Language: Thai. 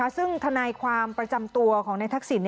ซึ่งทนายความประจำตัวของนายทักษิณ